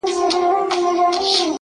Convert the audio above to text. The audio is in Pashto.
چي ستاینه د مجنون د زنځیر نه وي,